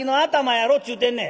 やろっちゅうてんねん」。